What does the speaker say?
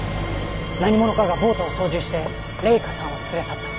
何者かがボートを操縦して麗華さんを連れ去った。